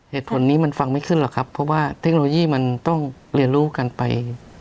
เหตุผลนี้มันฟังไม่ขึ้นหรอกครับเพราะว่าเทคโนโลยีมันต้องเรียนรู้กันไป